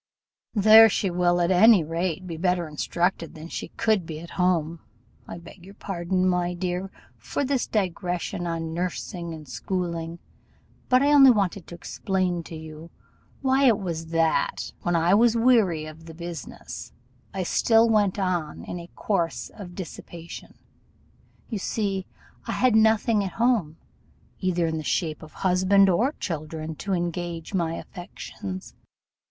There she will, at any rate, be better instructed than she could be at home. I beg your pardon, my dear, for this digression on nursing and schooling; but I wanted only to explain to you why it was that, when I was weary of the business, I still went on in a course of dissipation. You see I had nothing at home, either in the shape of husband or children, to engage my affections.